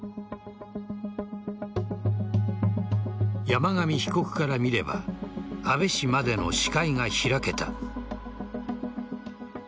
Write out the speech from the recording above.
山上被告から見れば安倍氏までの視界が開けた。